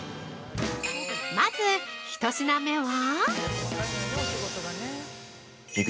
◆まず１品目は。